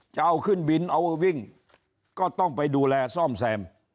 จะเอาขึ้นบินเอาวิ่งก็ต้องไปดูแลซ่อมแซม